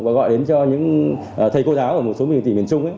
và gọi đến cho những thầy cô giáo ở một số miền tỉnh miền trung